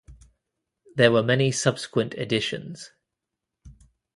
There were many subsequent editions.